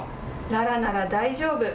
ララなら大丈夫。